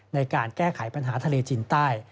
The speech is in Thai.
ในการแก้ไขปัญหาทะเลจีนใต้